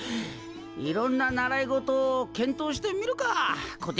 いろんな習い事を検討してみるかこてつ。